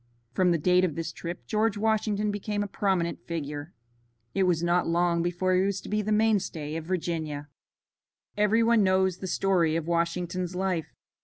From the date of this trip George Washington became a prominent figure. It was not long before he was to be the mainstay of Virginia. Every one knows the story of Washington's life.